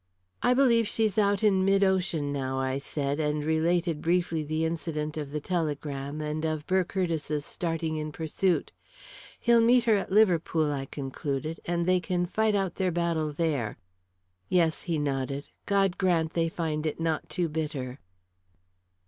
"I believe she's out in mid ocean now," I said, and related briefly the incident of the telegram and of Burr Curtiss's starting in pursuit. "He'll meet her at Liverpool," I concluded, "and they can fight out their battle there." "Yes," he nodded. "God grant they find it not too bitter."